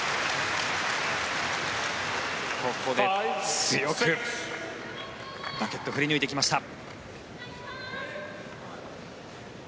ここで強くラケット振り抜いてきました。